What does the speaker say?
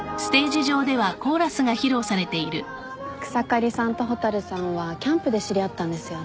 草刈さんと蛍さんはキャンプで知り合ったんですよね？